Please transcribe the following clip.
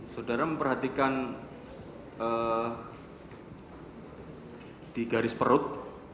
saudara memperhatikan di garis perut